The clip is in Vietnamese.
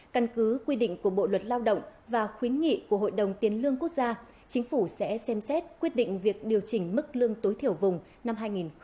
căn cứ quy định của bộ luật lao động và khuyến nghị của hội đồng tiền lương quốc gia chính phủ sẽ xem xét quyết định việc điều chỉnh mức lương tối thiểu vùng năm hai nghìn hai mươi